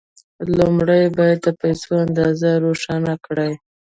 لومړی باید د پيسو اندازه روښانه کړئ.